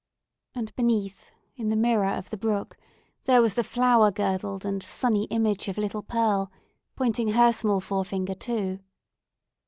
And beneath, in the mirror of the brook, there was the flower girdled and sunny image of little Pearl, pointing her small forefinger too.